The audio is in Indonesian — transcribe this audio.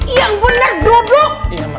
iya bener duduk